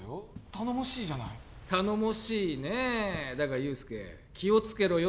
頼もしいじゃない頼もしいねえだが憂助気をつけろよ